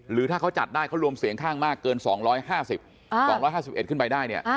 หรือถ้าเขาจัดได้เขารวมเสียงข้างมากเกินสองร้อยห้าสิบสองร้อยห้าสิบเอ็ดขึ้นไปได้เนี่ย